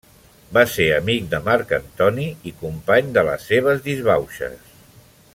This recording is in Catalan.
Va ser amic de Marc Antoni i company de les seves disbauxes.